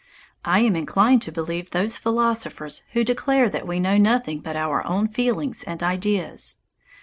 I am inclined to believe those philosophers who declare that we know nothing but our own feelings and ideas.